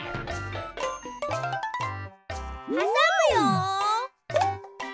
はさむよ。